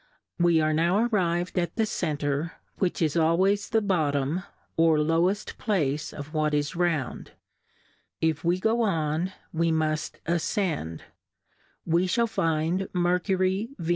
We are now arrivM at the Center, which is always the Bottom, or loweft Place of what is round ; if we go on, we muft afcend ; we fhall find Mercurj^ Ve?